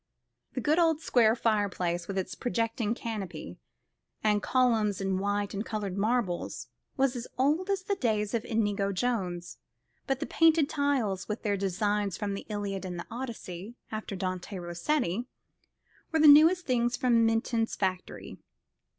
The good old square fireplace, with its projecting canopy, and columns in white and coloured marbles, was as old as the days of Inigo Jones; but the painted tiles, with their designs from the Iliad and Odyssey after Dante Rossetti, were the newest thing from Minton's factory.